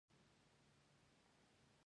د خوراک پر مهال له میرمنې مننه وکړه.